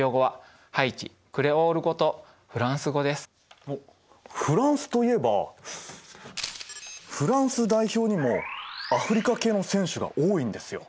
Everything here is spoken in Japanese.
あっフランスといえばフランス代表にもアフリカ系の選手が多いんですよ。